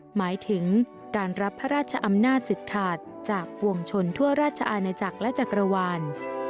หมายถึงการรับพระราชอำนาจศึกขาดจากปวงชนทั่วราชอาณาจักรและจักรวาล